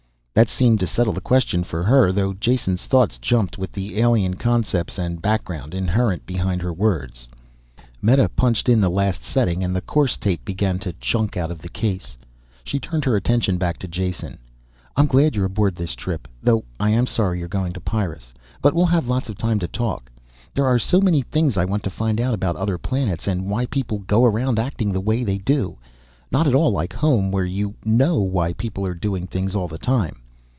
That seemed to settle the question for her, though Jason's thoughts jumped with the alien concepts and background, inherent behind her words. Meta punched in the last setting, and the course tape began to chunk out of the case. She turned her attention back to Jason. "I'm glad you're aboard this trip, though I am sorry you are going to Pyrrus. But we'll have lots of time to talk. There are so many things I want to find out about other planets, and why people go around acting the way they do. Not at all like home where you know why people are doing things all the time."